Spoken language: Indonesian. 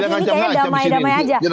mas zaky ini kayaknya damai damai saja